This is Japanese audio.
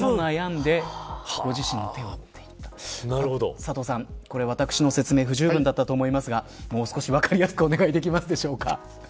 佐藤さん、私の説明不十分だったと思いますがもう少し分かりやすくお願いできますでしょうか。